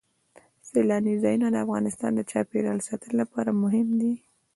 سیلاني ځایونه د افغانستان د چاپیریال ساتنې لپاره مهم دي.